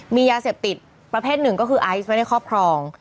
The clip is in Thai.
มียาเสพติดประเภทหนึ่งก็คือไอซ์ไว้ในครอบครอง